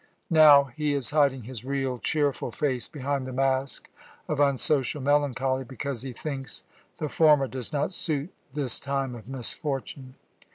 Now he is hiding his real, cheerful face behind the mask of unsocial melancholy, because he thinks the former does not suit this time of misfortune.